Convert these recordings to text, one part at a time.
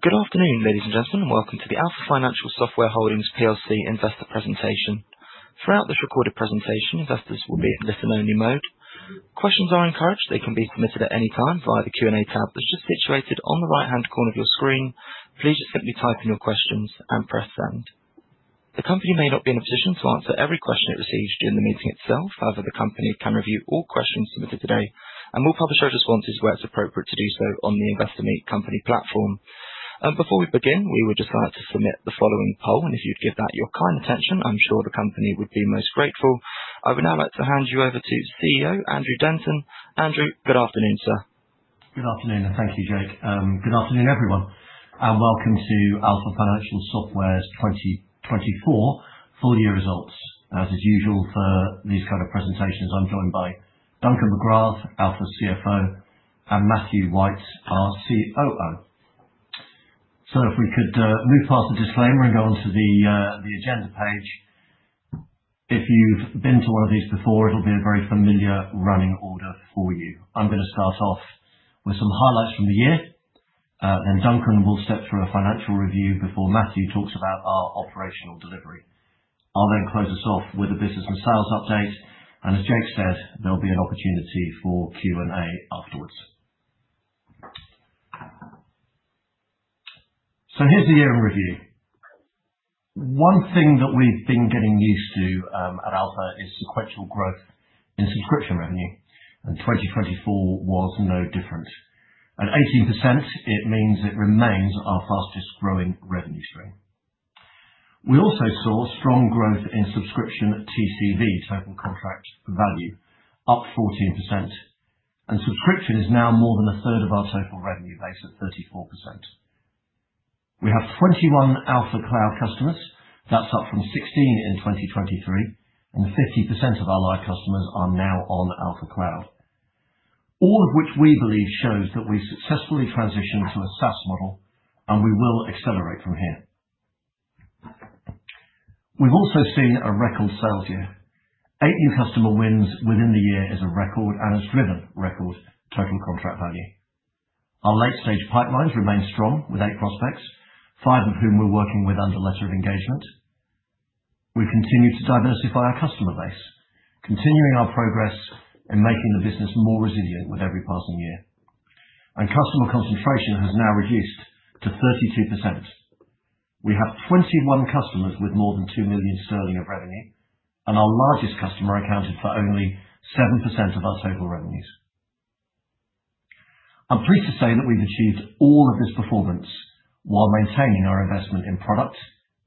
Good afternoon, ladies and gentlemen, and welcome to the Alfa Financial Software Holdings PLC investor presentation. Throughout this recorded presentation, investors will be in listen-only mode. Questions are encouraged; they can be submitted at any time via the Q&A tab that's just situated on the right-hand corner of your screen. Please just simply type in your questions and press send. The company may not be in a position to answer every question it receives during the meeting itself. However, the company can review all questions submitted today and will publish our responses where it's appropriate to do so on the Investor Meet Company platform. Before we begin, we would just like to submit the following poll, and if you'd give that your kind attention, I'm sure the company would be most grateful. I would now like to hand you over to CEO Andrew Denton. Andrew, good afternoon, sir. Good afternoon, and thank you, Jake. Good afternoon, everyone, and welcome to Alfa Financial Software's 2024 full-year results. As is usual for these kinds of presentations, I'm joined by Duncan Magrath, Alfa's CFO, and Matthew White, our COO. If we could move past the disclaimer and go on to the agenda page, if you've been to one of these before, it'll be a very familiar running order for you. I'm going to start off with some highlights from the year, then Duncan will step through a financial review before Matthew talks about our operational delivery. I'll then close us off with a business and sales update, and as Jake said, there'll be an opportunity for Q&A afterwards. Here's the year in review. One thing that we've been getting used to at Alfa is sequential growth in subscription revenue, and 2024 was no different. At 18%, it means it remains our fastest-growing revenue stream. We also saw strong growth in subscription TCV, Total Contract Value, up 14%, and subscription is now more than a third of our total revenue base at 34%. We have 21 Alfa Cloud customers; that's up from 16 in 2023, and 50% of our live customers are now on Alfa Cloud, all of which we believe shows that we've successfully transitioned to a SaaS model, and we will accelerate from here. We've also seen a record sales year; eight new customer wins within the year is a record and a driven record Total Contract Value. Our late-stage pipelines remain strong with eight prospects, five of whom we're working with under letter of engagement. We've continued to diversify our customer base, continuing our progress and making the business more resilient with every passing year, and customer concentration has now reduced to 32%. We have 21 customers with more than 2 million sterling of revenue, and our largest customer accounted for only 7% of our total revenues. I'm pleased to say that we've achieved all of this performance while maintaining our investment in product,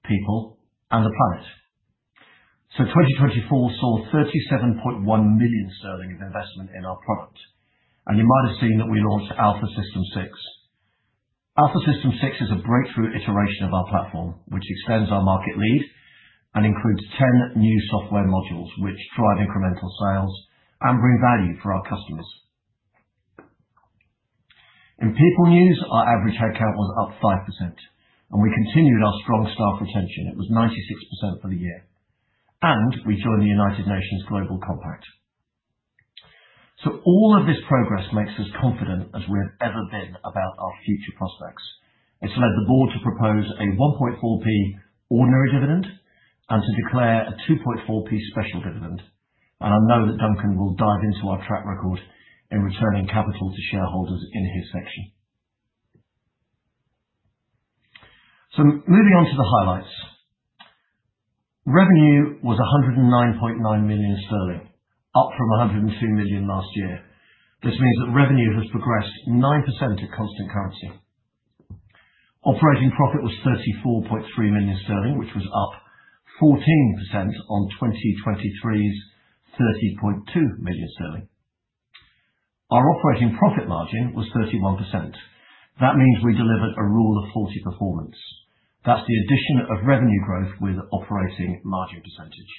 people, and the planet. In 2024, we saw 37.1 million sterling of investment in our product, and you might have seen that we launched Alfa Systems 6. Alfa Systems 6 is a breakthrough iteration of our platform, which extends our market lead and includes 10 new software modules which drive incremental sales and bring value for our customers. In people news, our average headcount was up 5%, and we continued our strong staff retention; it was 96% for the year, and we joined the United Nations Global Compact. All of this progress makes us confident as we have ever been about our future prospects. It has led the board to propose a 1.4p ordinary dividend and to declare a 2.4p special dividend, and I know that Duncan will dive into our track record in returning capital to shareholders in his section. Moving on to the highlights, revenue was 109.9 million sterling, up from 102 million last year. This means that revenue has progressed 9% at constant currency. Operating profit was 34.3 million sterling, which was up 14% on 2023's 30.2 million sterling. Our operating profit margin was 31%. That means we delivered a Rule of 40 performance. That is the addition of revenue growth with operating margin percentage.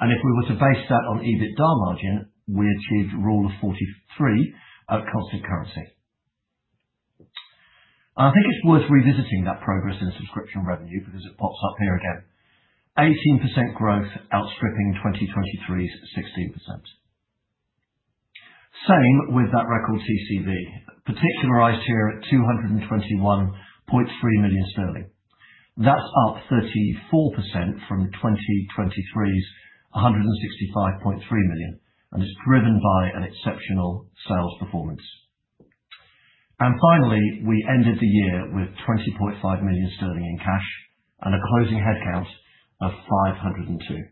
If we were to base that on EBITDA margin, we achieved a rule of 43 at constant currency. I think it's worth revisiting that progress in subscription revenue because it pops up here again: 18% growth outstripping 2023's 16%. Same with that record TCV, particularized here at 221.3 million sterling. That's up 34% from 2023's 165.3 million, and it's driven by an exceptional sales performance. Finally, we ended the year with 20.5 million sterling in cash and a closing headcount of 502.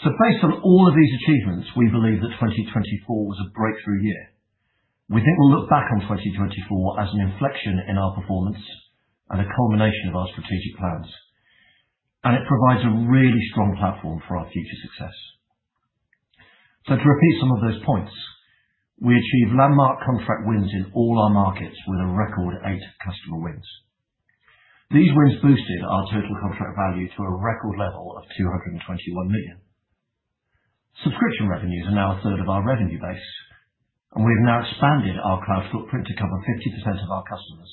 Based on all of these achievements, we believe that 2024 was a breakthrough year. We think we'll look back on 2024 as an inflection in our performance and a culmination of our strategic plans, and it provides a really strong platform for our future success. To repeat some of those points, we achieved landmark contract wins in all our markets with a record eight customer wins. These wins boosted our Total Contract Value to a record level of 221 million. Subscription revenues are now a third of our revenue base, and we've now expanded our cloud footprint to cover 50% of our customers,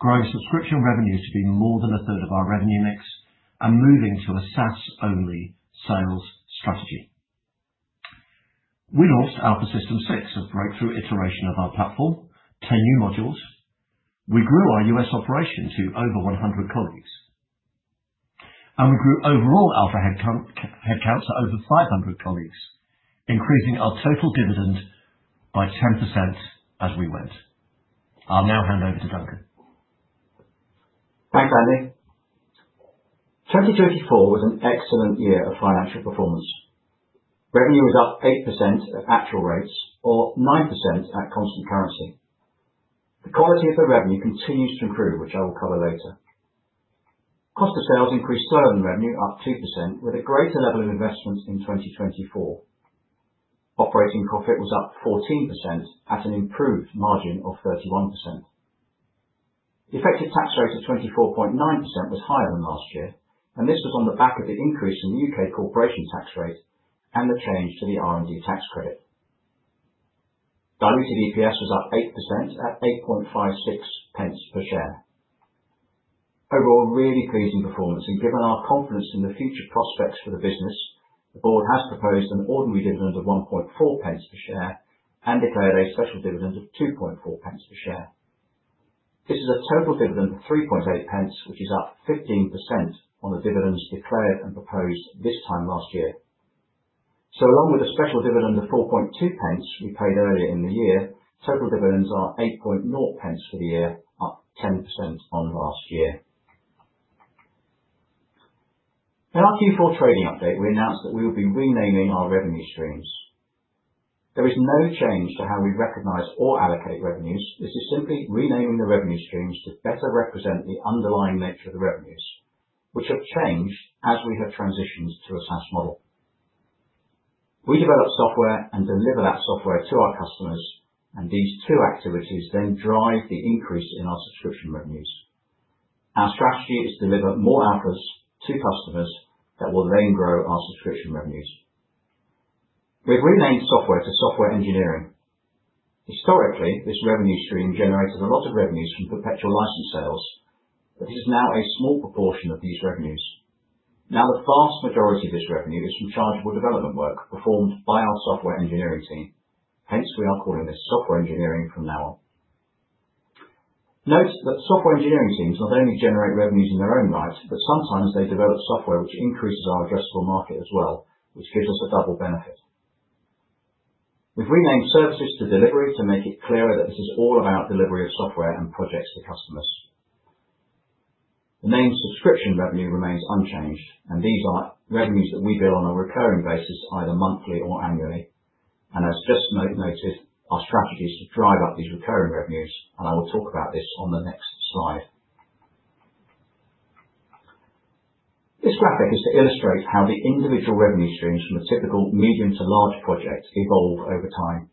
growing subscription revenues to be more than a third of our revenue mix and moving to a SaaS-only sales strategy. We launched Alfa Systems 6, a breakthrough iteration of our platform, 10 new modules. We grew our U.S. operation to over 100 colleagues, and we grew overall Alfa headcount to over 500 colleagues, increasing our total dividend by 10% as we went. I'll now hand over to Duncan. Thanks, Andy. 2024 was an excellent year of financial performance. Revenue was up 8% at actual rates or 9% at constant currency. The quality of the revenue continues to improve, which I will cover later. Cost of sales increased sale and revenue up 2% with a greater level of investment in 2024. Operating profit was up 14% at an improved margin of 31%. The effective tax rate of 24.9% was higher than last year, and this was on the back of the increase in the U.K. corporation tax rate and the change to the R&D tax credit. Diluted EPS was up 8% at 8.56 per share. Overall, really pleasing performance, and given our confidence in the future prospects for the business, the board has proposed an ordinary dividend of 1.4p per share and declared a special dividend of 2.4p per share. This is a total dividend of 3.8p, which is up 15% on the dividends declared and proposed this time last year. Along with a special dividend of 4.20p we paid earlier in the year, total dividends are 8.00p for the year, up 10% on last year. In our Q4 trading update, we announced that we will be renaming our revenue streams. There is no change to how we recognize or allocate revenues. This is simply renaming the revenue streams to better represent the underlying nature of the revenues, which have changed as we have transitioned to a SaaS model. We develop software and deliver that software to our customers, and these two activities then drive the increase in our subscription revenues. Our strategy is to deliver more Alfas to customers that will then grow our subscription revenues. We've renamed software to software engineering. Historically, this revenue stream generated a lot of revenues from perpetual license sales, but it is now a small proportion of these revenues. Now, the vast majority of this revenue is from chargeable development work performed by our software engineering team. Hence, we are calling this software engineering from now on. Note that software engineering teams not only generate revenues in their own right, but sometimes they develop software which increases our addressable market as well, which gives us a double benefit. We have renamed services to delivery to make it clearer that this is all about delivery of software and projects to customers. The name subscription revenue remains unchanged, and these are revenues that we bill on a recurring basis, either monthly or annually. As just noted, our strategy is to drive up these recurring revenues, and I will talk about this on the next slide. This graphic is to illustrate how the individual revenue streams from a typical medium to large project evolve over time.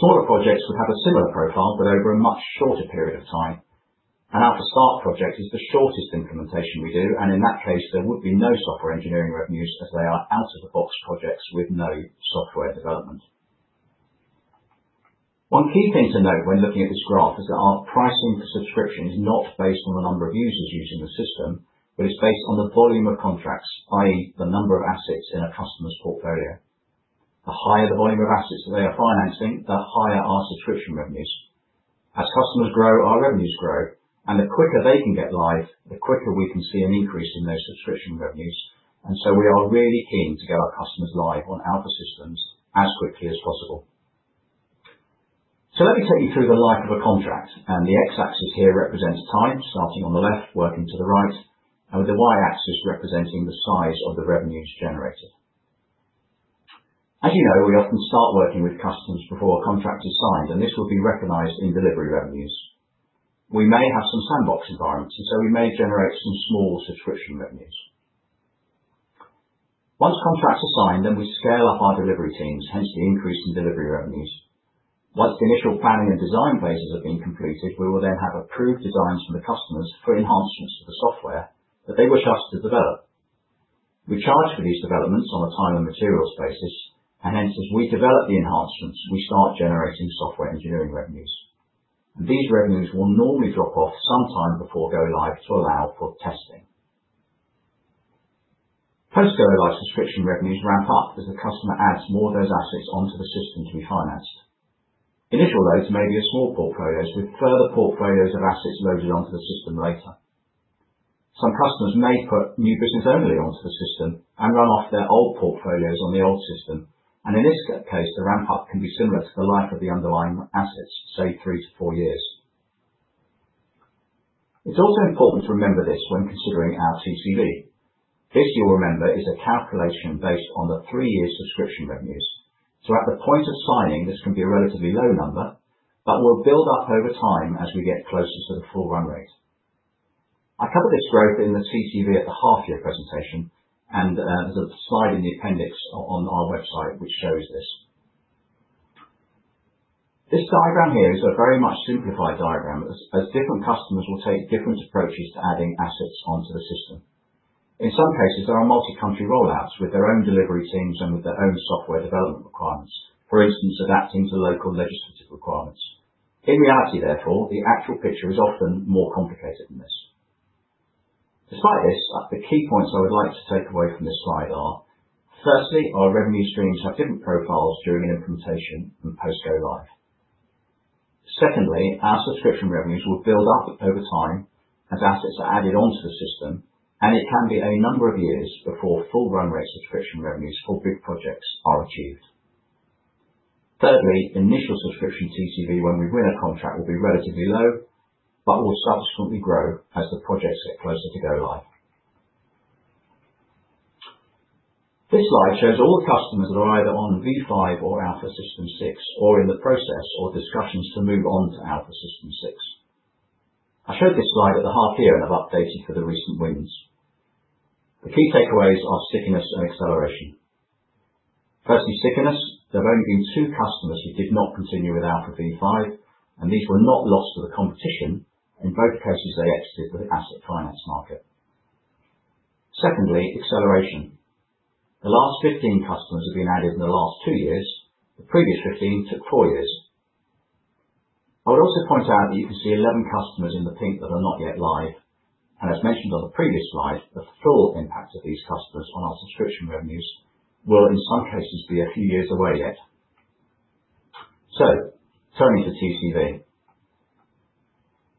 Smaller projects would have a similar profile, but over a much shorter period of time. An Alfa Start project is the shortest implementation we do, and in that case, there would be no software engineering revenues as they are out-of-the-box projects with no software development. One key thing to note when looking at this graph is that our pricing for subscription is not based on the number of users using the system, but it's based on the volume of contracts, i.e., the number of assets in a customer's portfolio. The higher the volume of assets that they are financing, the higher our subscription revenues. As customers grow, our revenues grow, and the quicker they can get live, the quicker we can see an increase in those subscription revenues. We are really keen to get our customers live on Alfa Systems as quickly as possible. Let me take you through the life of a contract, and the X-axis here represents time, starting on the left, working to the right, and with the Y-axis representing the size of the revenues generated. As you know, we often start working with customers before a contract is signed, and this will be recognized in delivery revenues. We may have some sandbox environments, and we may generate some small subscription revenues. Once contracts are signed, we scale up our delivery teams, hence the increase in delivery revenues. Once the initial planning and design phases have been completed, we will then have approved designs from the customers for enhancements to the software that they wish us to develop. We charge for these developments on a time and materials basis, and hence, as we develop the enhancements, we start generating software engineering revenues. These revenues will normally drop off sometime before go live to allow for testing. Post-go live subscription revenues ramp up as the customer adds more of those assets onto the system to be financed. Initial loads may be a small portfolio with further portfolios of assets loaded onto the system later. Some customers may put new business only onto the system and run off their old portfolios on the old system, and in this case, the ramp-up can be similar to the life of the underlying assets, say, three to four years. It's also important to remember this when considering our TCV. This, you'll remember, is a calculation based on the three-year subscription revenues. At the point of signing, this can be a relatively low number, but will build up over time as we get closer to the full run rate. I covered this growth in the TCV at the half-year presentation, and there is a slide in the appendix on our website which shows this. This diagram here is a very much simplified diagram as different customers will take different approaches to adding assets onto the system. In some cases, there are multi-country rollouts with their own delivery teams and with their own software development requirements, for instance, adapting to local legislative requirements. In reality, therefore, the actual picture is often more complicated than this. Despite this, the key points I would like to take away from this slide are: firstly, our revenue streams have different profiles during an implementation and post-go live. Secondly, our subscription revenues will build up over time as assets are added onto the system, and it can be a number of years before full run rate subscription revenues for big projects are achieved. Thirdly, initial subscription TCV, when we win a contract, will be relatively low, but will subsequently grow as the projects get closer to go live. This slide shows all the customers that are either on Alfa V5 or Alfa Systems 6 or in the process or discussions to move on to Alfa Systems 6. I showed this slide at the half-year, and I've updated for the recent wins. The key takeaways are stickiness and acceleration. Firstly, stickiness: there have only been two customers who did not continue with Alfa V5, and these were not lost to the competition. In both cases, they exited the asset finance market. Secondly, acceleration: the last 15 customers have been added in the last two years. The previous 15 took four years. I would also point out that you can see 11 customers in the pink that are not yet live, and as mentioned on the previous slide, the full impact of these customers on our subscription revenues will, in some cases, be a few years away yet. Turning to TCV,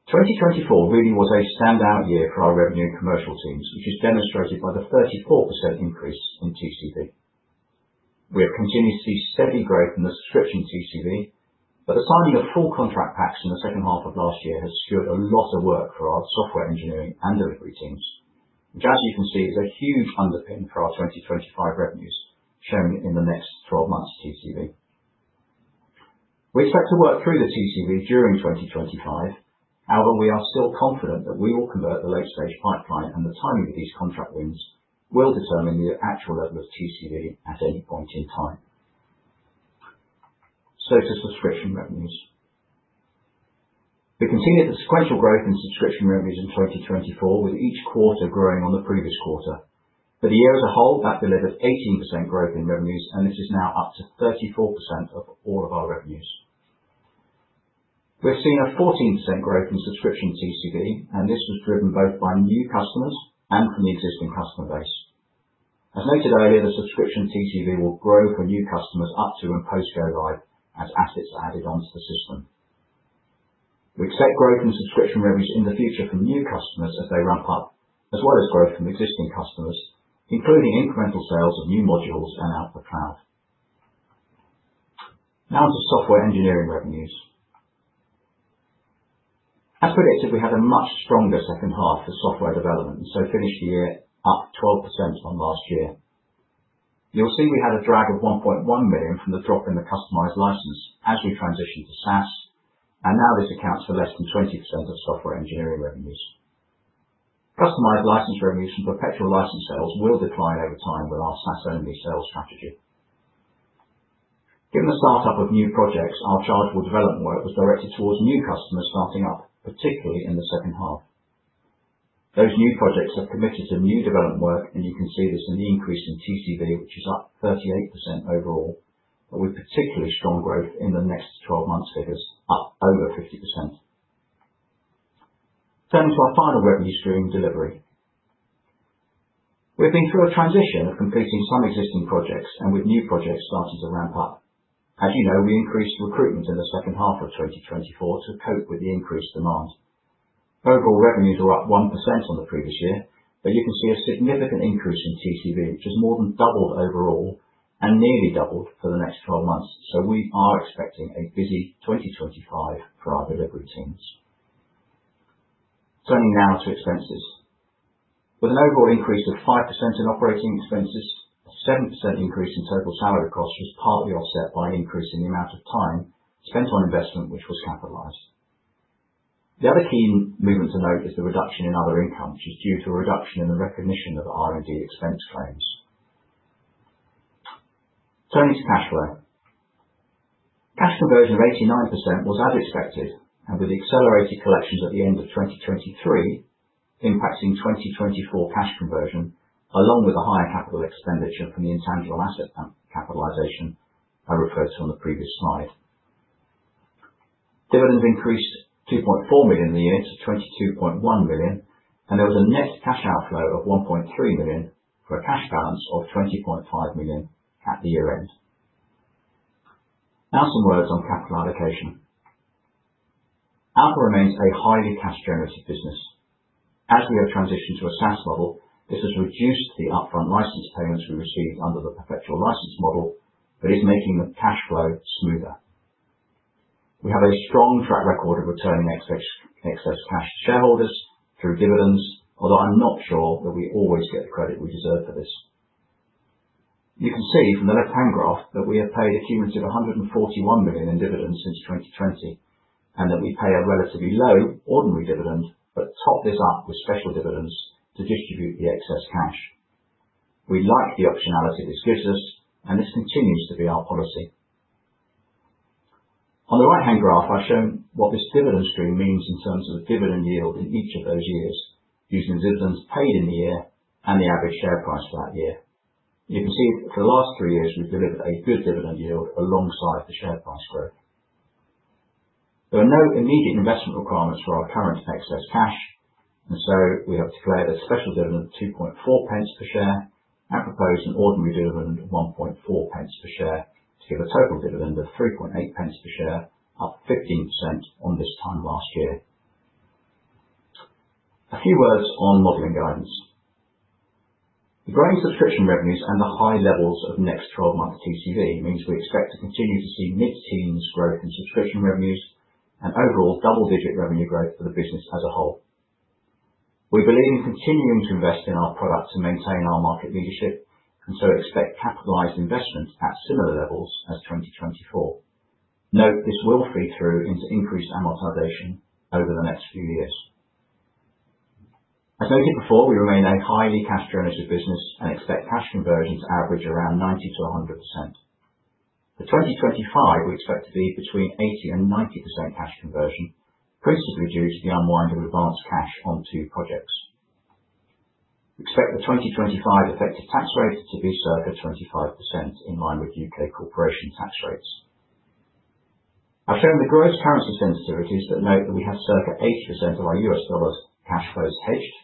2024 really was a standout year for our revenue and commercial teams, which is demonstrated by the 34% increase in TCV. We have continued to see steady growth in the subscription TCV, but the signing of full contract packs in the second half of last year has secured a lot of work for our software engineering and delivery teams, which, as you can see, is a huge underpin for our 2025 revenues shown in the next 12 months' TCV. We expect to work through the TCV during 2025. However, we are still confident that we will convert the late-stage pipeline, and the timing of these contract wins will determine the actual level of TCV at any point in time. To subscription revenues, we continued the sequential growth in subscription revenues in 2024, with each quarter growing on the previous quarter. For the year as a whole, that delivered 18% growth in revenues, and this is now up to 34% of all of our revenues. We've seen a 14% growth in subscription TCV, and this was driven both by new customers and from the existing customer base. As noted earlier, the subscription TCV will grow for new customers up to and post-go live as assets are added onto the system. We expect growth in subscription revenues in the future from new customers as they ramp up, as well as growth from existing customers, including incremental sales of new modules and out-of-the-cloud. Now, to software engineering revenues. As predicted, we had a much stronger second half for software development, and so finished the year up 12% on last year. You'll see we had a drag of 1.1 million from the drop in the customized license as we transitioned to SaaS, and now this accounts for less than 20% of software engineering revenues. Customized license revenues from perpetual license sales will decline over time with our SaaS-only sales strategy. Given the startup of new projects, our chargeable development work was directed towards new customers starting up, particularly in the second half. Those new projects have committed to new development work, and you can see this in the increase in TCV, which is up 38% overall, but with particularly strong growth in the next 12 months' figures, up over 50%. Turning to our final revenue stream delivery, we've been through a transition of completing some existing projects and with new projects starting to ramp up. As you know, we increased recruitment in the second half of 2024 to cope with the increased demand. Overall revenues were up 1% on the previous year, but you can see a significant increase in TCV, which has more than doubled overall and nearly doubled for the next 12 months. We are expecting a busy 2025 for our delivery teams. Turning now to expenses. With an overall increase of 5% in operating expenses, a 7% increase in total salary costs was partly offset by an increase in the amount of time spent on investment, which was capitalized. The other key movement to note is the reduction in other income, which is due to a reduction in the recognition of R&D expense claims. Turning to cash flow. Cash conversion of 89% was as expected, and with the accelerated collections at the end of 2023 impacting 2024 cash conversion, along with a higher capital expenditure from the intangible asset capitalization I referred to on the previous slide. Dividends increased 2.4 million in the year to 22.1 million, and there was a net cash outflow of 1.3 million for a cash balance of 20.5 million at the year-end. Now, some words on capital allocation. Alfa remains a highly cash-generative business. As we have transitioned to a SaaS model, this has reduced the upfront license payments we received under the perpetual license model, but is making the cash flow smoother. We have a strong track record of returning excess cash to shareholders through dividends, although I'm not sure that we always get the credit we deserve for this. You can see from the left-hand graph that we have paid a cumulative 141 million in dividends since 2020, and that we pay a relatively low ordinary dividend, but top this up with special dividends to distribute the excess cash. We like the optionality this gives us, and this continues to be our policy. On the right-hand graph, I've shown what this dividend stream means in terms of dividend yield in each of those years, using the dividends paid in the year and the average share price for that year. You can see for the last three years, we've delivered a good dividend yield alongside the share price growth. There are no immediate investment requirements for our current excess cash, and so we have declared a special dividend of 2.4p per share and proposed an ordinary dividend of 1.4p per share to give a total dividend of 3.8p per share, up 15% on this time last year. A few words on modeling guidance. The growing subscription revenues and the high levels of next 12-month TCV means we expect to continue to see mid-teens growth in subscription revenues and overall double-digit revenue growth for the business as a whole. We believe in continuing to invest in our product to maintain our market leadership, and so expect capitalized investment at similar levels as 2024. Note this will feed through into increased amortization over the next few years. As noted before, we remain a highly cash-generative business and expect cash conversion to average around 90%-100%. For 2025, we expect to be between 80%-90% cash conversion, principally due to the unwind of advanced cash onto projects. We expect the 2025 effective tax rate to be circa 25% in line with U.K. corporation tax rates. I've shown the gross currency sensitivities, but note that we have circa 80% of our U.S. dollars cash flows hedged.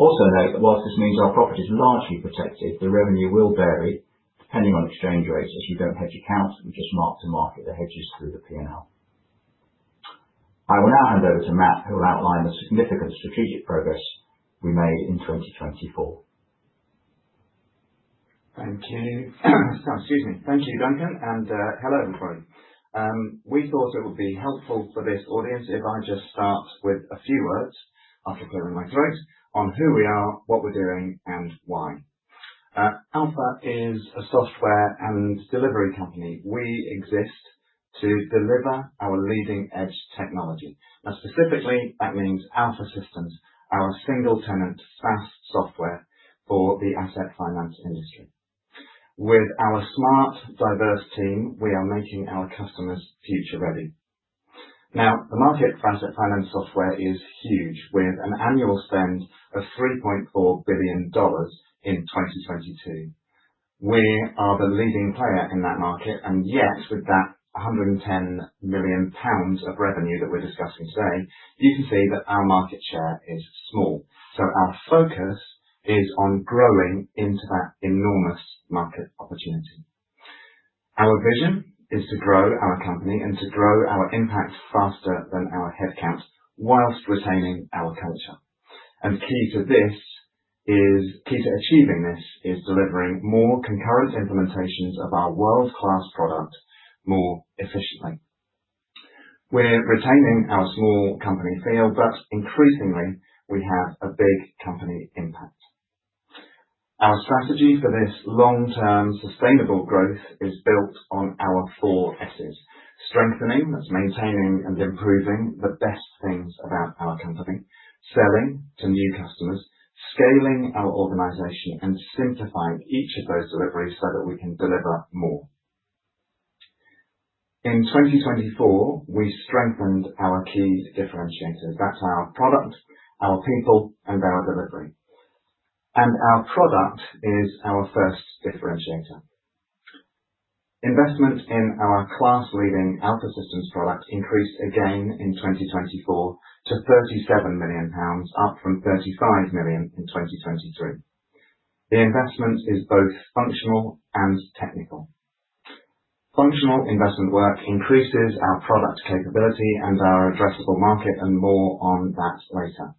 Also note that whilst this means our profit is largely protected, the revenue will vary depending on exchange rates. As you don't hedge accounts, we just mark to market the hedges through the P&L. I will now hand over to Matt, who will outline the significant strategic progress we made in 2024. Thank you. Excuse me. Thank you, Duncan, and hello everyone. We thought it would be helpful for this audience if I just start with a few words, after clearing my throat, on who we are, what we're doing, and why. Alfa is a software and delivery company. We exist to deliver our leading-edge technology. Now, specifically, that means Alfa Systems, our single-tenant SaaS software for the asset finance industry. With our smart, diverse team, we are making our customers future-ready. Now, the market for asset finance software is huge, with an annual spend of $3.4 billion in 2022. We are the leading player in that market, and yet, with that 110 million pounds of revenue that we're discussing today, you can see that our market share is small. Our focus is on growing into that enormous market opportunity. Our vision is to grow our company and to grow our impact faster than our headcount whilst retaining our culture. Key to achieving this is delivering more concurrent implementations of our world-class product more efficiently. We are retaining our small company feel, but increasingly, we have a big company impact. Our strategy for this long-term sustainable growth is built on our four S's: strengthening, that is maintaining and improving the best things about our company; selling to new customers; scaling our organization; and simplifying each of those deliveries so that we can deliver more. In 2024, we strengthened our key differentiators. That is our product, our people, and our delivery. Our product is our first differentiator. Investment in our class-leading Alfa Systems product increased again in 2024 to 37 million pounds, up from 35 million in 2023. The investment is both functional and technical. Functional investment work increases our product capability and our addressable market, and more on that later.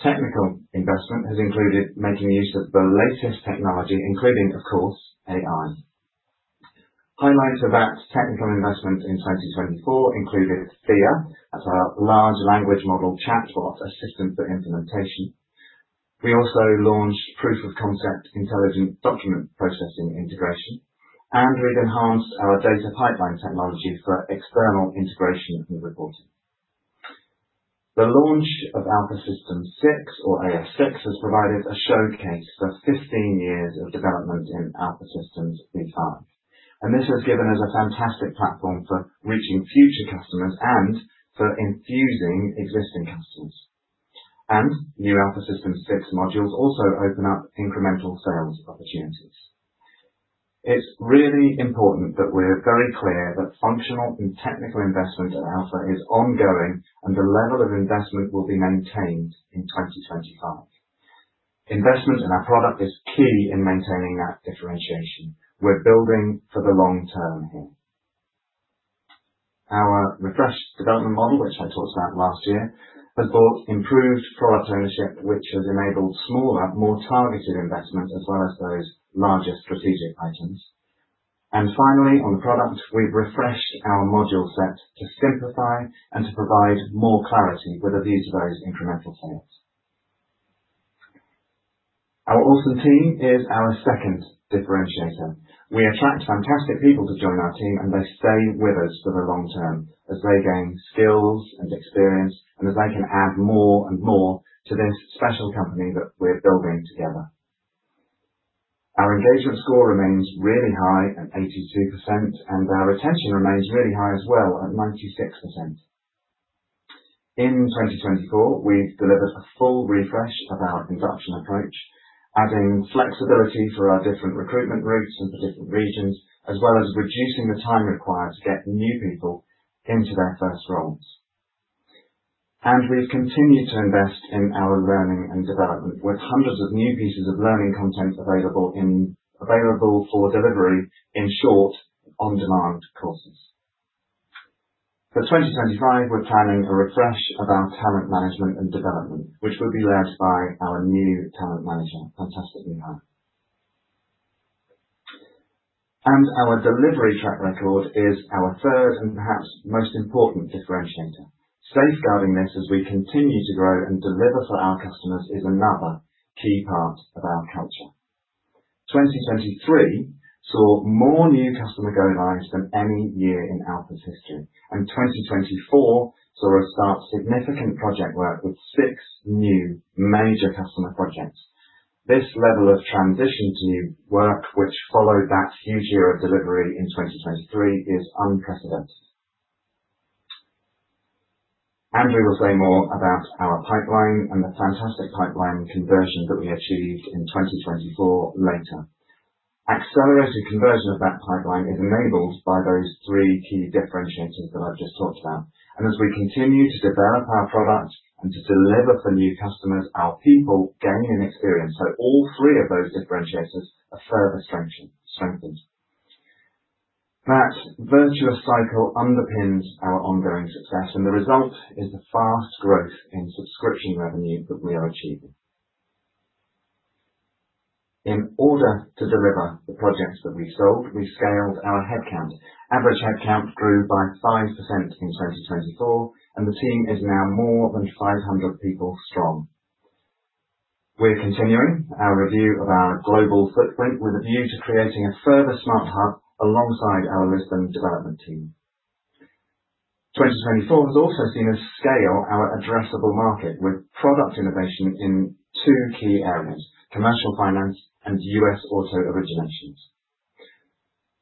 Technical investment has included making use of the latest technology, including, of course, AI. Highlights of that technical investment in 2024 included FIA; that's our large language model chatbot assistant for implementation. We also launched proof-of-concept intelligent document processing integration, and we've enhanced our data pipeline technology for external integration and reporting. The launch of Alfa Systems 6, or AF6, has provided a showcase for 15 years of development in Alfa Systems V5, and this has given us a fantastic platform for reaching future customers and for infusing existing customers. New Alfa Systems 6 modules also open up incremental sales opportunities. It's really important that we're very clear that functional and technical investment at Alfa is ongoing, and the level of investment will be maintained in 2025. Investment in our product is key in maintaining that differentiation. We're building for the long term here. Our refreshed development model, which I talked about last year, has brought improved product ownership, which has enabled smaller, more targeted investment, as well as those larger strategic items. Finally, on the product, we've refreshed our module set to simplify and to provide more clarity with a view to those incremental sales. Our awesome team is our second differentiator. We attract fantastic people to join our team, and they stay with us for the long term as they gain skills and experience, and as they can add more and more to this special company that we're building together. Our engagement score remains really high at 82%, and our retention remains really high as well at 96%. In 2024, we've delivered a full refresh of our induction approach, adding flexibility for our different recruitment routes and for different regions, as well as reducing the time required to get new people into their first roles. We have continued to invest in our learning and development, with hundreds of new pieces of learning content available for delivery in short, on-demand courses. For 2025, we're planning a refresh of our talent management and development, which will be led by our new talent manager, Francesca High. Our delivery track record is our third and perhaps most important differentiator. Safeguarding this as we continue to grow and deliver for our customers is another key part of our culture. 2023 saw more new customer go-lives than any year in Alfa's history, and 2024 saw us start significant project work with six new major customer projects. This level of transition to work, which followed that huge year of delivery in 2023, is unprecedented. We will say more about our pipeline and the fantastic pipeline conversion that we achieved in 2024 later. Accelerated conversion of that pipeline is enabled by those three key differentiators that I've just talked about. As we continue to develop our product and to deliver for new customers, our people gain in experience. All three of those differentiators are further strengthened. That virtuous cycle underpins our ongoing success, and the result is the fast growth in subscription revenue that we are achieving. In order to deliver the projects that we sold, we scaled our headcount. Average headcount grew by 5% in 2024, and the team is now more than 500 people strong. We're continuing our review of our global footprint with a view to creating a further smart hub alongside our Lisbon development team. 2024 has also seen us scale our addressable market with product innovation in two key areas: commercial finance and U.S. auto originations.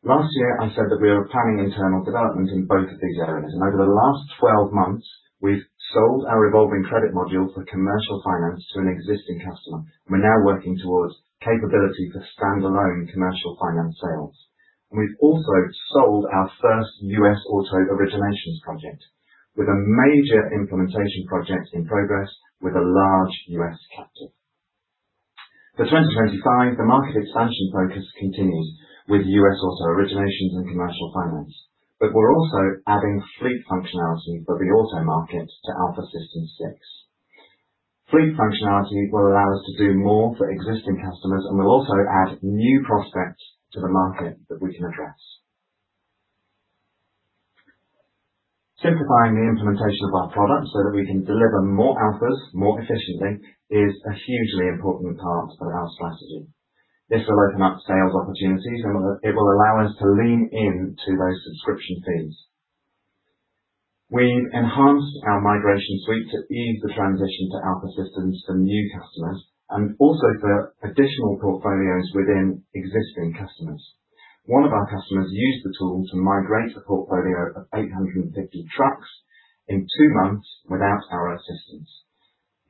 Last year, I said that we were planning internal development in both of these areas, and over the last 12 months, we've sold a revolving credit module for commercial finance to an existing customer. We're now working towards capability for standalone commercial finance sales. We've also sold our first U.S. auto originations project with a major implementation project in progress with a large U.S. captive. For 2025, the market expansion focus continues with U.S. auto originations and commercial finance, but we're also adding fleet functionality for the auto market to Alfa Systems 6. Fleet functionality will allow us to do more for existing customers and will also add new prospects to the market that we can address. Simplifying the implementation of our product so that we can deliver more Alfas more efficiently is a hugely important part of our strategy. This will open up sales opportunities, and it will allow us to lean into those subscription fees. We have enhanced our migration suite to ease the transition to Alfa Systems for new customers and also for additional portfolios within existing customers. One of our customers used the tool to migrate a portfolio of 850 trucks in two months without our assistance.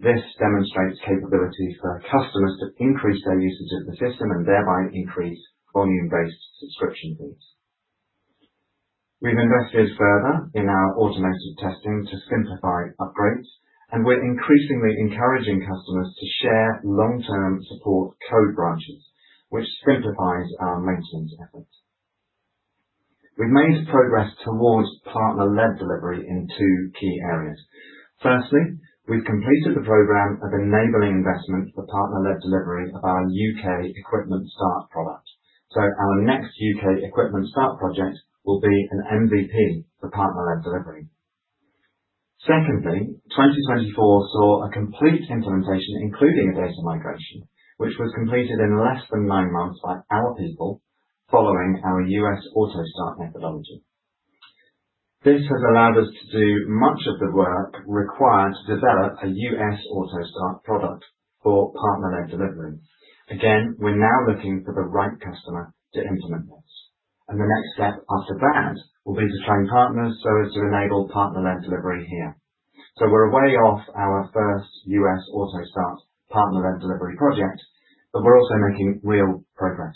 This demonstrates capability for customers to increase their usage of the system and thereby increase volume-based subscription fees. We've invested further in our automated testing to simplify upgrades, and we're increasingly encouraging customers to share long-term support code branches, which simplifies our maintenance efforts. We've made progress towards partner-led delivery in two key areas. Firstly, we've completed the program of enabling investment for partner-led delivery of our U.K. Equipment Start product. Our next U.K. Equipment Start project will be an MVP for partner-led delivery. Secondly, 2024 saw a complete implementation, including a data migration, which was completed in less than nine months by our people following our U.S. Auto Start methodology. This has allowed us to do much of the work required to develop a U.S. Auto Start product for partner-led delivery. We're now looking for the right customer to implement this. The next step after that will be to train partners so as to enable partner-led delivery here. We're a way off our first U.S. Auto Start partner-led delivery project, but we're also making real progress.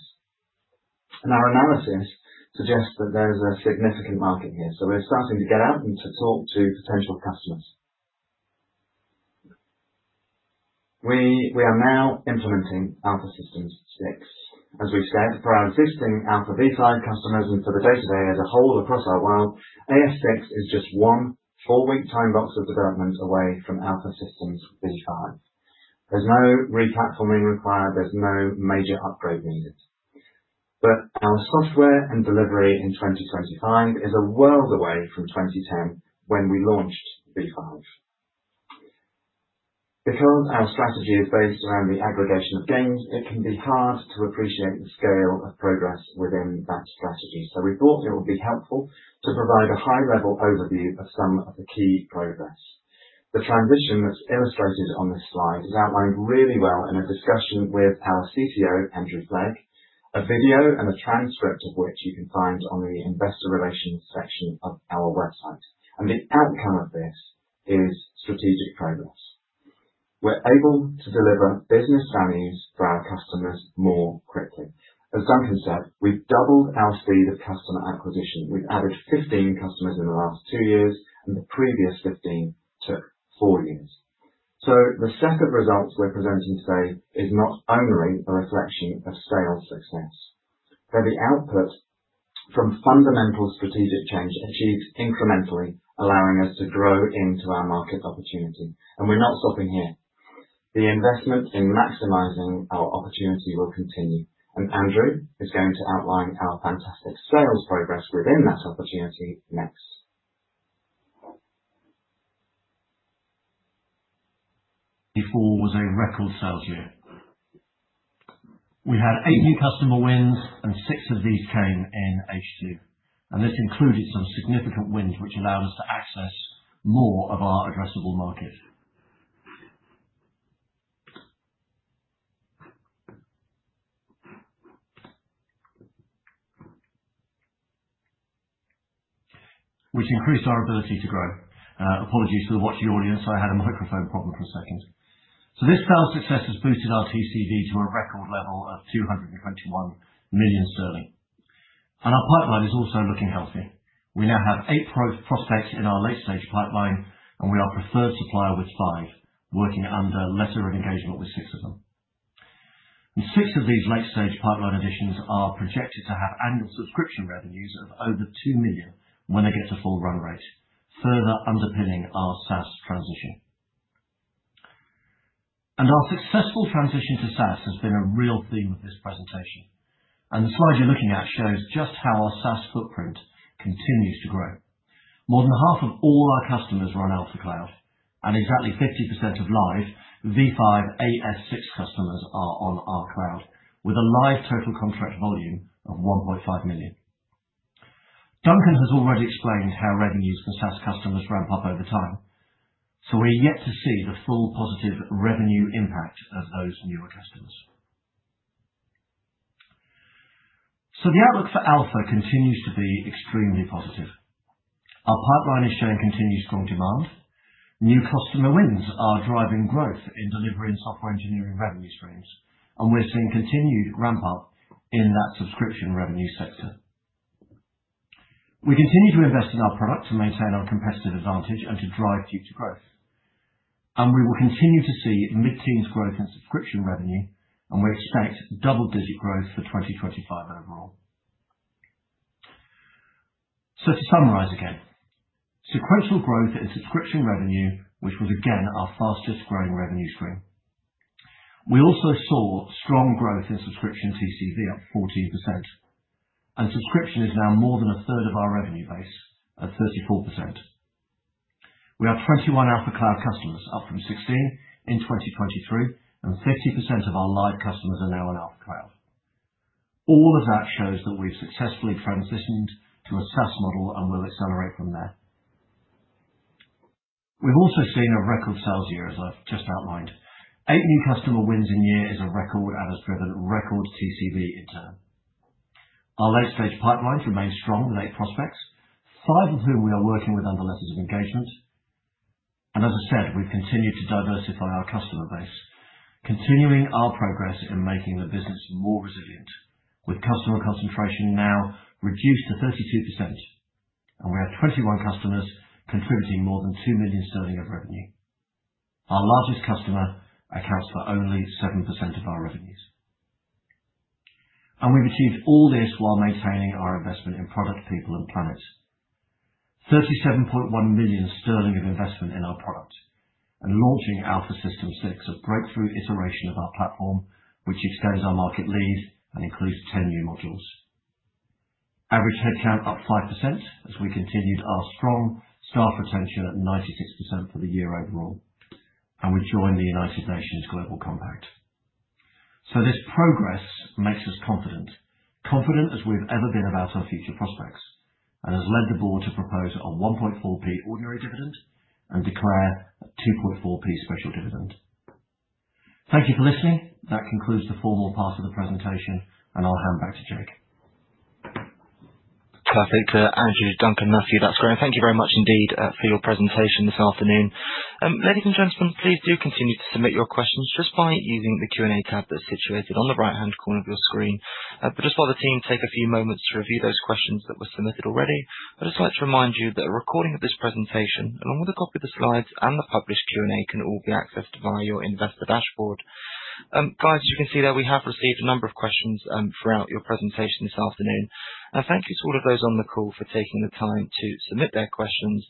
Our analysis suggests that there's a significant market here. We're starting to get out and to talk to potential customers. We are now implementing Alfa Systems 6. As we said, for our existing Alfa V5 customers and for the day-to-day as a whole across our world, AF6 is just one four-week time box of development away from Alfa Systems V5. There's no re-platforming required. There's no major upgrade needed. Our software and delivery in 2025 is a world away from 2010 when we launched V5. Because our strategy is based around the aggregation of gains, it can be hard to appreciate the scale of progress within that strategy. We thought it would be helpful to provide a high-level overview of some of the key progress. The transition that's illustrated on this slide is outlined really well in a discussion with our CTO, Andrew Flegg, a video and a transcript of which you can find on the investor relations section of our website. The outcome of this is strategic progress. We're able to deliver business values for our customers more quickly. As Duncan said, we've doubled our speed of customer acquisition. We've added 15 customers in the last two years, and the previous 15 took four years. The set of results we're presenting today is not only a reflection of sales success, but the output from fundamental strategic change achieved incrementally, allowing us to grow into our market opportunity. We're not stopping here. The investment in maximizing our opportunity will continue. Andrew is going to outline our fantastic sales progress within that opportunity next. 2024 was a record sales year. We had eight new customer wins, and six of these came in H2. This included some significant wins, which allowed us to access more of our addressable market, which increased our ability to grow. Apologies to the watching audience. I had a microphone problem for a second. This sales success has boosted our TCV to a record level of 221 million sterling. Our pipeline is also looking healthy. We now have eight prospects in our late-stage pipeline, and we are a preferred supplier with five, working under letter of engagement with six of them. Six of these late-stage pipeline additions are projected to have annual subscription revenues of over 2 million when they get to full run rate, further underpinning our SaaS transition. Our successful transition to SaaS has been a real theme of this presentation. The slide you're looking at shows just how our SaaS footprint continues to grow. More than half of all our customers run Alfa Cloud, and exactly 50% of live V5, AF6 customers are on our cloud, with a live total contract volume of 1.5 million. Duncan has already explained how revenues for SaaS customers ramp up over time. We're yet to see the full positive revenue impact of those newer customers. The outlook for Alfa continues to be extremely positive. Our pipeline is showing continued strong demand. New customer wins are driving growth in delivering software engineering revenue streams, and we're seeing continued ramp-up in that subscription revenue sector. We continue to invest in our product to maintain our competitive advantage and to drive future growth. We will continue to see mid-teens growth in subscription revenue, and we expect double-digit growth for 2025 overall. To summarize again, sequential growth in subscription revenue, which was again our fastest growing revenue stream. We also saw strong growth in subscription TCV, up 14%. Subscription is now more than a third of our revenue base, at 34%. We have 21 Alfa Cloud customers, up from 16 in 2023, and 30% of our live customers are now on Alfa Cloud. All of that shows that we have successfully transitioned to a SaaS model and will accelerate from there. We have also seen a record sales year, as I have just outlined. Eight new customer wins in year is a record and has driven record TCV in turn. Our late-stage pipelines remain strong with eight prospects, five of whom we are working with under letters of engagement. As I said, we've continued to diversify our customer base, continuing our progress in making the business more resilient, with customer concentration now reduced to 32%. We have 21 customers contributing more than 2 million sterling of revenue. Our largest customer accounts for only 7% of our revenues. We've achieved all this while maintaining our investment in product, people, and planet. 37.1 million sterling of investment in our product and launching Alfa Systems 6, a breakthrough iteration of our platform, which extends our market lead and includes 10 new modules. Average headcount up 5% as we continued our strong staff retention at 96% for the year overall. We joined the United Nations Global Compact. This progress makes us confident, confident as we've ever been about our future prospects, and has led the board to propose a 1.4p ordinary dividend and declare a 2.4p special dividend. Thank you for listening. That concludes the formal part of the presentation, and I'll hand back to Jake. Perfect. Andrew, Duncan, Matthew, that's great. Thank you very much indeed for your presentation this afternoon. Ladies and gentlemen, please do continue to submit your questions just by using the Q&A tab that's situated on the right-hand corner of your screen. Just while the team take a few moments to review those questions that were submitted already, I'd just like to remind you that a recording of this presentation, along with a copy of the slides and the published Q&A, can all be accessed via your investor dashboard. Guys, as you can see there, we have received a number of questions throughout your presentation this afternoon. Thank you to all of those on the call for taking the time to submit their questions.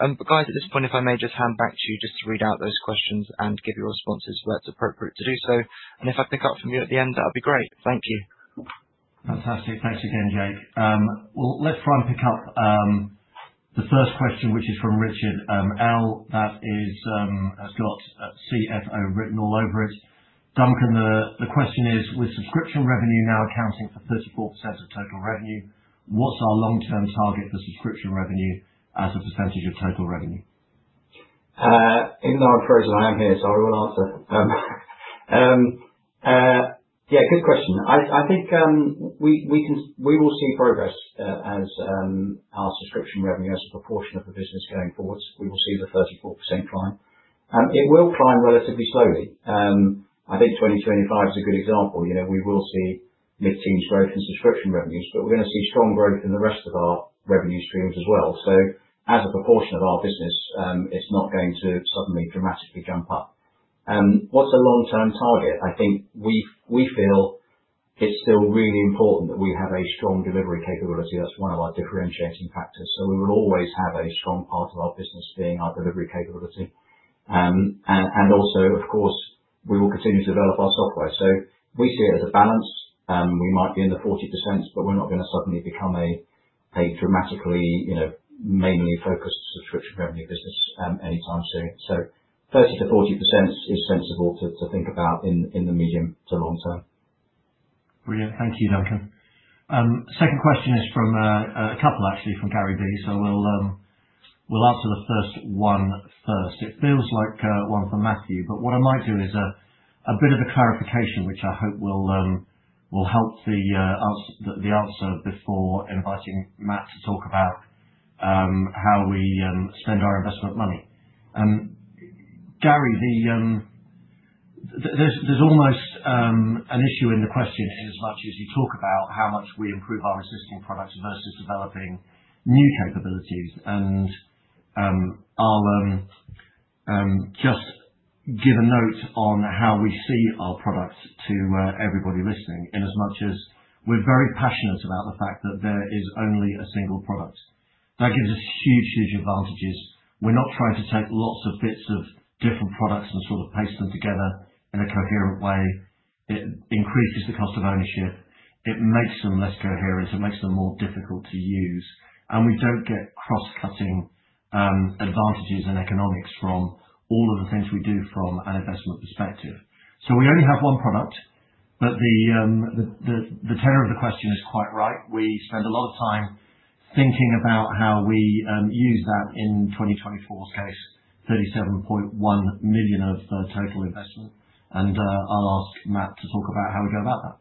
At this point, if I may just hand back to you to read out those questions and give your responses where it's appropriate to do so. If I pick up from you at the end, that will be great. Thank you. Fantastic. Thanks again, Jake. Let's try and pick up the first question, which is from Richard L. That has got CFO written all over it. Duncan, the question is, with subscription revenue now accounting for 34% of total revenue, what's our long-term target for subscription revenue as a percentage of total revenue? Ignoring the fact that I am here, sorry, we'll answer. Good question. I think we will see progress as our subscription revenue as a proportion of the business going forwards. We will see the 34% climb. It will climb relatively slowly. I think 2025 is a good example. We will see mid-teens growth in subscription revenues, but we're going to see strong growth in the rest of our revenue streams as well. As a proportion of our business, it's not going to suddenly dramatically jump up. What's a long-term target? I think we feel it's still really important that we have a strong delivery capability. That's one of our differentiating factors. We will always have a strong part of our business being our delivery capability. Also, of course, we will continue to develop our software. We see it as a balance. We might be in the 40%, but we're not going to suddenly become a dramatically mainly focused subscription revenue business anytime soon. 30%-40% is sensible to think about in the medium to long term. Brilliant. Thank you, Duncan. Second question is from a couple, actually, from Gary Vee. We'll answer the first one first. It feels like one for Matthew. What I might do is a bit of a clarification, which I hope will help the answer before inviting Matt to talk about how we spend our investment money. Gary, there's almost an issue in the question in as much as you talk about how much we improve our existing products versus developing new capabilities. I'll just give a note on how we see our product to everybody listening in as much as we're very passionate about the fact that there is only a single product. That gives us huge, huge advantages. We're not trying to take lots of bits of different products and sort of paste them together in a coherent way. It increases the cost of ownership. It makes them less coherent. It makes them more difficult to use. We do not get cross-cutting advantages and economics from all of the things we do from an investment perspective. We only have one product, but the tenor of the question is quite right. We spend a lot of time thinking about how we use that in 2024's case, 37.1 million of total investment. I will ask Matt to talk about how we go about that.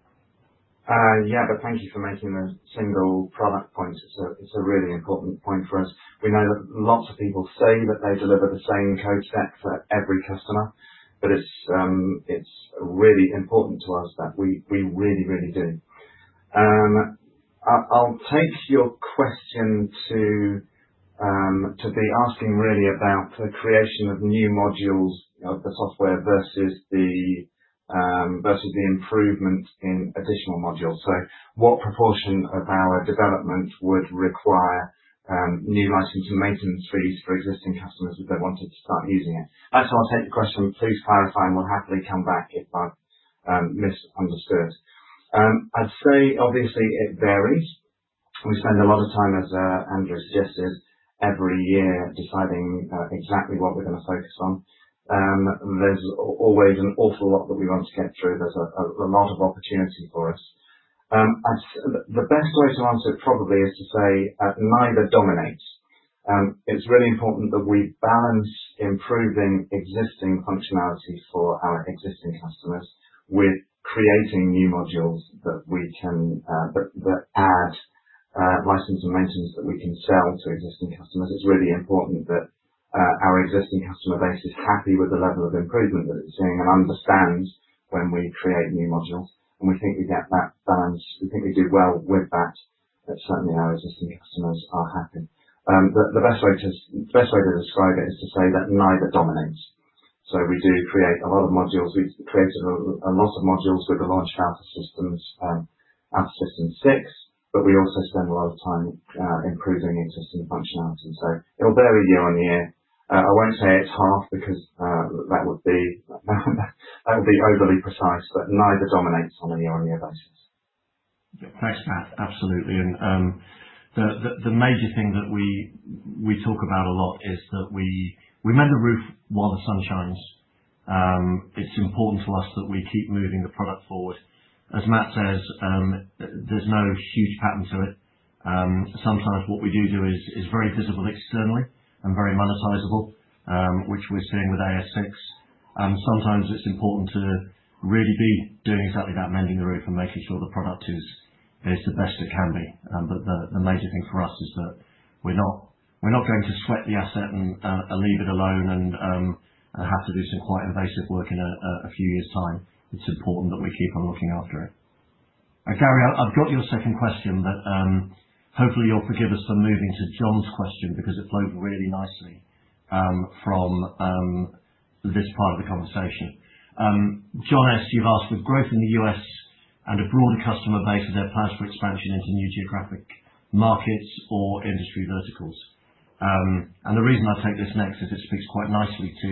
Thank you for making the single product point. It is a really important point for us. We know that lots of people say that they deliver the same code stack for every customer, but it is really important to us that we really, really do. I will take your question to be asking really about the creation of new modules of the software versus the improvement in additional modules. What proportion of our development would require new license and maintenance fees for existing customers if they wanted to start using it? That is our take on the question. Please clarify, and we will happily come back if I have misunderstood. I would say, obviously, it varies. We spend a lot of time, as Andrew suggested, every year deciding exactly what we are going to focus on. There is always an awful lot that we want to get through. There is a lot of opportunity for us. The best way to answer it probably is to say neither dominates. It is really important that we balance improving existing functionality for our existing customers with creating new modules that we can add license and maintenance that we can sell to existing customers. It is really important that our existing customer base is happy with the level of improvement that it is seeing and understands when we create new modules. We think we get that balance. We think we do well with that. That certainly our existing customers are happy. The best way to describe it is to say that neither dominates. We do create a lot of modules. We have created a lot of modules with the launch of Alfa Systems 6, but we also spend a lot of time improving existing functionality. It will vary year on year. I will not say it is half because that would be overly precise, but neither dominates on a year-on-year basis. Thanks, Matt. Absolutely. The major thing that we talk about a lot is that we mend the roof while the sun shines. It is important to us that we keep moving the product forward. As Matt says, there is no huge pattern to it. Sometimes what we do is very visible externally and very monetizable, which we are seeing with AF6. Sometimes it's important to really be doing exactly that, mending the roof and making sure the product is the best it can be. The major thing for us is that we're not going to sweat the asset and leave it alone and have to do some quite invasive work in a few years' time. It's important that we keep on looking after it. Gary, I've got your second question, but hopefully you'll forgive us for moving to John's question because it flowed really nicely from this part of the conversation. John S., you've asked, with growth in the U.S. and a broader customer base and their plans for expansion into new geographic markets or industry verticals? The reason I take this next is it speaks quite nicely to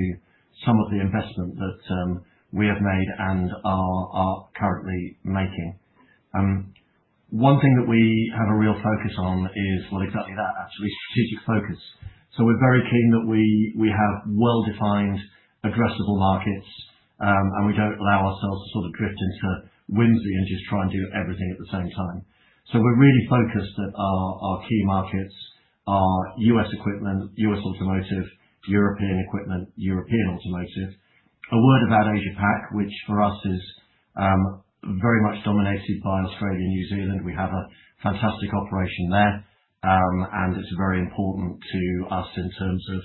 some of the investment that we have made and are currently making. One thing that we have a real focus on is, well, exactly that, actually, strategic focus. We are very keen that we have well-defined, addressable markets, and we do not allow ourselves to sort of drift into whimsy and just try and do everything at the same time. We are really focused that our key markets are U.S. equipment, U.S. automotive, European equipment, European automotive. A word about Asia-Pac, which for us is very much dominated by Australia and New Zealand. We have a fantastic operation there, and it is very important to us in terms of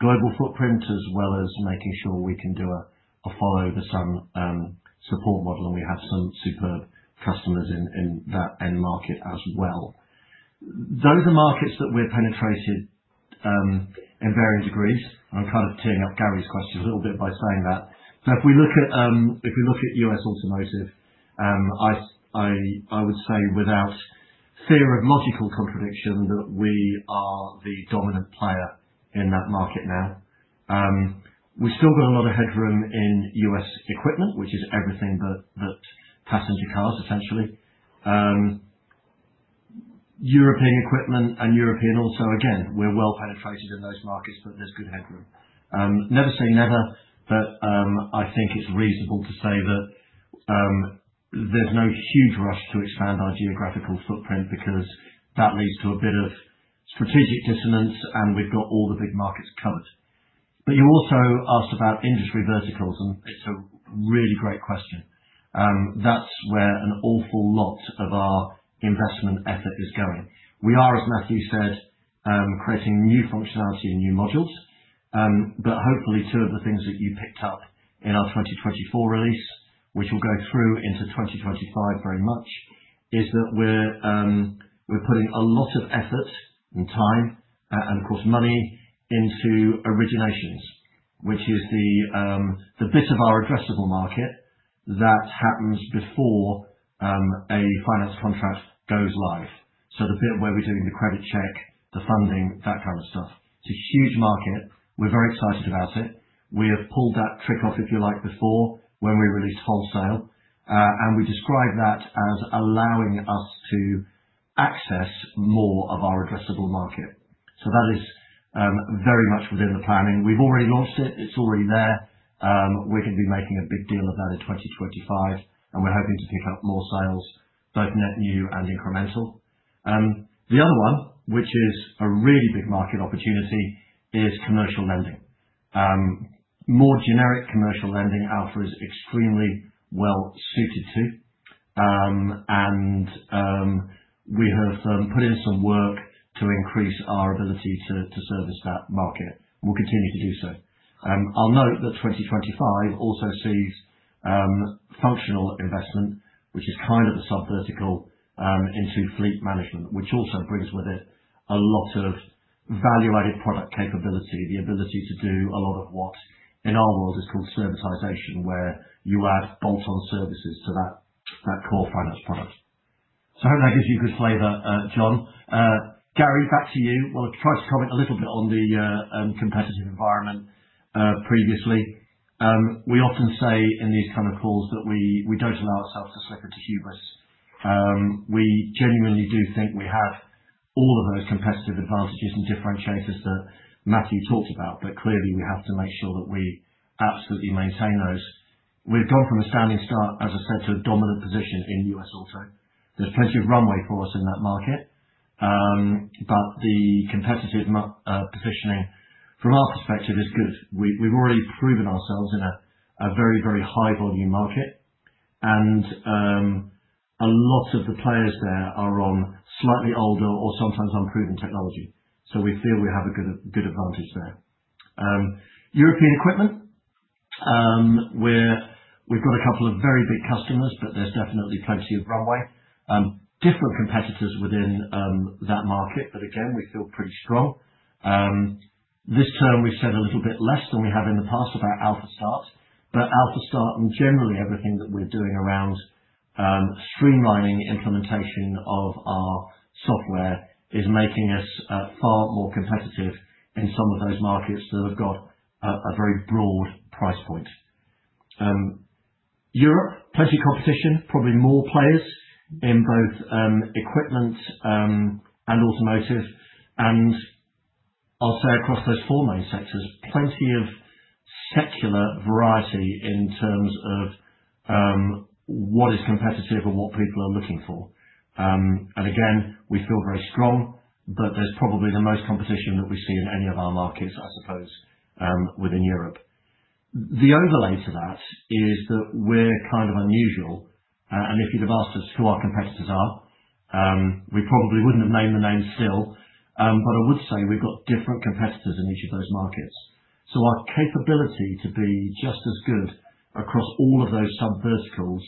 global footprint as well as making sure we can do a follow-the-sun support model, and we have some superb customers in that end market as well. Those are markets that we are penetrated in varying degrees. I am kind of teeing up Gary's question a little bit by saying that. If we look at U.S. automotive, I would say without fear of logical contradiction that we are the dominant player in that market now. We've still got a lot of headroom in U.S. equipment, which is everything but passenger cars, essentially. European equipment and European also, again, we're well-penetrated in those markets, but there's good headroom. Never say never, but I think it's reasonable to say that there's no huge rush to expand our geographical footprint because that leads to a bit of strategic dissonance, and we've got all the big markets covered. You also asked about industry verticals, and it's a really great question. That's where an awful lot of our investment effort is going. We are, as Matthew said, creating new functionality and new modules. Hopefully, two of the things that you picked up in our 2024 release, which will go through into 2025 very much, is that we're putting a lot of effort and time and, of course, money into originations, which is the bit of our addressable market that happens before a finance contract goes live. The bit where we're doing the credit check, the funding, that kind of stuff. It's a huge market. We're very excited about it. We have pulled that trick off, if you like, before when we released wholesale. We describe that as allowing us to access more of our addressable market. That is very much within the planning. We've already launched it. It's already there. We're going to be making a big deal of that in 2025, and we're hoping to pick up more sales, both net new and incremental. The other one, which is a really big market opportunity, is commercial lending. More generic commercial lending Alfa is extremely well-suited to. And we have put in some work to increase our ability to service that market. We'll continue to do so. I'll note that 2025 also sees functional investment, which is kind of a subvertical into fleet management, which also brings with it a lot of value-added product capability, the ability to do a lot of what in our world is called servitization, where you add bolt-on services to that core finance product. I hope that gives you good flavor, John. Gary, back to you. I tried to comment a little bit on the competitive environment previously. We often say in these kind of calls that we don't allow ourselves to slip into hubris. We genuinely do think we have all of those competitive advantages and differentiators that Matthew talked about, but clearly we have to make sure that we absolutely maintain those. We've gone from a standing start, as I said, to a dominant position in U.S. auto. There's plenty of runway for us in that market, but the competitive positioning, from our perspective, is good. We've already proven ourselves in a very, very high-volume market, and a lot of the players there are on slightly older or sometimes unproven technology. We feel we have a good advantage there. European equipment, we've got a couple of very big customers, but there's definitely plenty of runway. Different competitors within that market, but again, we feel pretty strong. This term, we've said a little bit less than we have in the past about Alfa Start. Alfa Start and generally everything that we're doing around streamlining implementation of our software is making us far more competitive in some of those markets that have got a very broad price point. Europe, plenty of competition, probably more players in both equipment and automotive. I'll say across those four main sectors, plenty of secular variety in terms of what is competitive and what people are looking for. Again, we feel very strong, but there's probably the most competition that we see in any of our markets, I suppose, within Europe. The overlay to that is that we're kind of unusual. If you'd have asked us who our competitors are, we probably wouldn't have named the name still. I would say we've got different competitors in each of those markets. Our capability to be just as good across all of those subverticals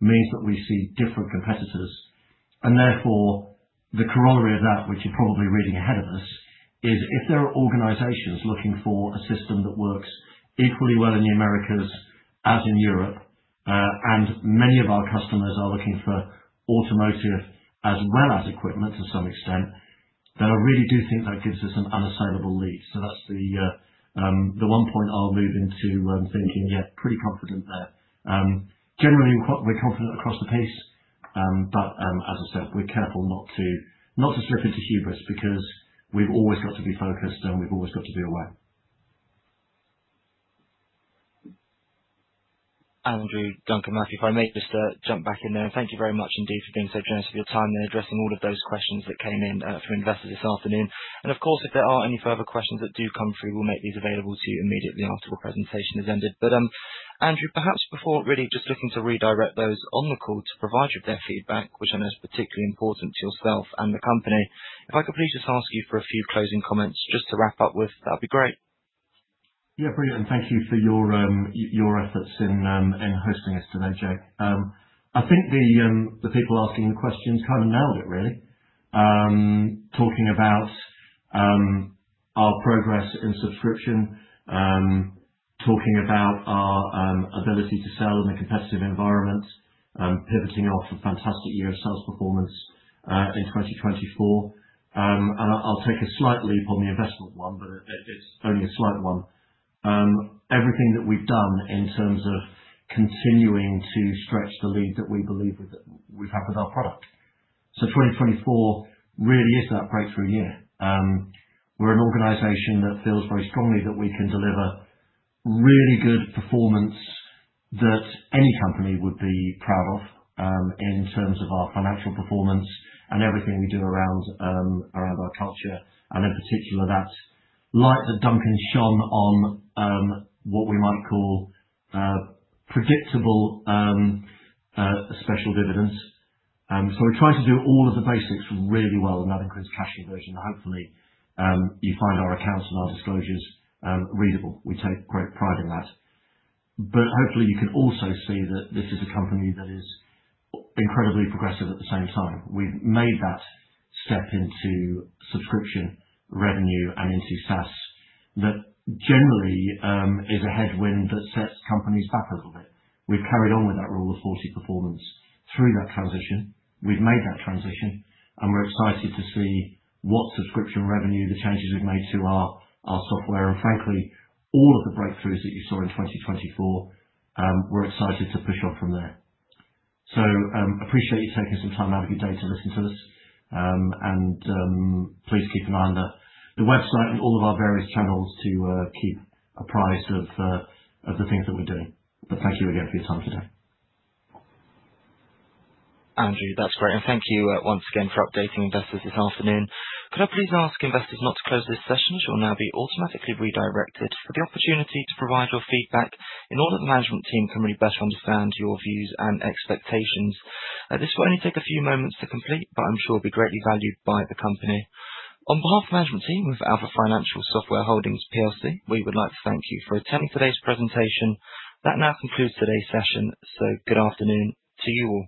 means that we see different competitors. Therefore, the corollary of that, which you're probably reading ahead of us, is if there are organizations looking for a system that works equally well in the Americas as in Europe, and many of our customers are looking for automotive as well as equipment to some extent, then I really do think that gives us an unassailable lead. That's the one point I'll move into thinking, yeah, pretty confident there. Generally, we're confident across the piece, but as I said, we're careful not to slip into hubris because we've always got to be focused and we've always got to be aware. Andrew, Duncan, Matthew, if I may just jump back in there. Thank you very much indeed for being so generous of your time and addressing all of those questions that came in from investors this afternoon. Of course, if there are any further questions that do come through, we'll make these available to you immediately after the presentation has ended. Andrew, perhaps before really just looking to redirect those on the call to provide you with their feedback, which I know is particularly important to yourself and the company, if I could please just ask you for a few closing comments just to wrap up with, that would be great. Yeah, brilliant. Thank you for your efforts in hosting us today, Jake. I think the people asking the questions kind of nailed it, really. Talking about our progress in subscription, talking about our ability to sell in a competitive environment, pivoting off a fantastic year of sales performance in 2024. I'll take a slight leap on the investment one, but it's only a slight one. Everything that we've done in terms of continuing to stretch the lead that we believe we've had with our product. 2024 really is that breakthrough year. We're an organization that feels very strongly that we can deliver really good performance that any company would be proud of in terms of our financial performance and everything we do around our culture. In particular, that light that Duncan shone on what we might call predictable special dividends. We try to do all of the basics really well, and that includes cash conversion. Hopefully, you find our accounts and our disclosures readable. We take great pride in that. Hopefully, you can also see that this is a company that is incredibly progressive at the same time. We've made that step into subscription revenue and into SaaS that generally is a headwind that sets companies back a little bit. We've carried on with that Rule of 40 performance through that transition. We've made that transition, and we're excited to see what subscription revenue, the changes we've made to our software, and frankly, all of the breakthroughs that you saw in 2024, we're excited to push on from there. I appreciate you taking some time out of your day to listen to us. Please keep in mind the website and all of our various channels to keep apprised of the things that we're doing. Thank you again for your time today. Andrew, that's great. Thank you once again for updating investors this afternoon. Could I please ask investors not to close this session? It will now be automatically redirected for the opportunity to provide your feedback in order for the management team to really better understand your views and expectations. This will only take a few moments to complete, but I'm sure it will be greatly valued by the company. On behalf of the management team of Alfa Financial Software Holdings PLC, we would like to thank you for attending today's presentation. That now concludes today's session. Good afternoon to you all.